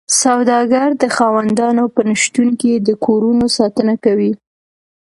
سوداګر د خاوندانو په نشتون کې د کورونو ساتنه کوي